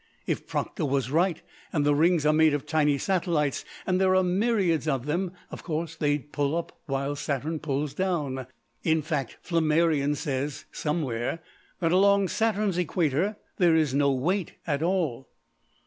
If Proctor was right and the rings are made of tiny satellites and there are myriads of them, of course they'll pull up while Saturn pulls down. In fact Flammarion says somewhere that along Saturn's equator there is no weight at all."